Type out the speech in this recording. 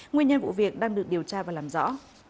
nguyên nhân vụ việc đang được điều tra và làm rõ